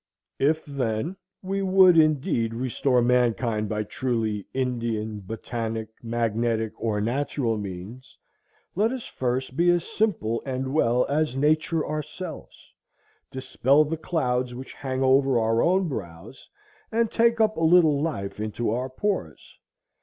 If, then, we would indeed restore mankind by truly Indian, botanic, magnetic, or natural means, let us first be as simple and well as Nature ourselves, dispel the clouds which hang over our own brows, and take up a little life into our pores.